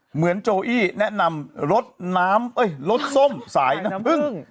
เหมือนโจอี้แนะนำรสน้ำเอ้ยรสส้มสายน้ำผึ้ง